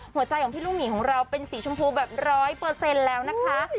หัวใจของพี่ลูกหมีของเราเป็นสีชมพูแบบร้อยเปอร์เซ็นต์แล้วนะคะ